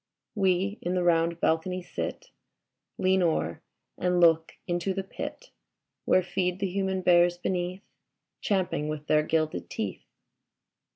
We in the round balcony sit, Lean o'er and look into the pit Where feed the human bears beneath. Champing with their gilded teeth.